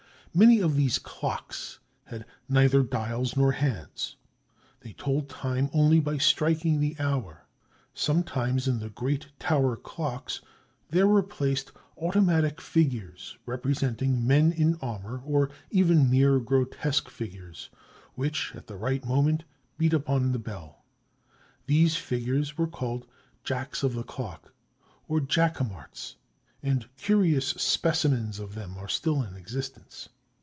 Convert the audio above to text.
Many of these "clocks" had neither dials nor hands. They told time only by striking the hour. Sometimes in the great tower clocks there were placed automatic figures representing men in armor or even mere grotesque figures which, at the right moment, beat upon the bell. These figures were called "jacks o' the clock" or "jacquemarts" and curious specimens of them are still in existence.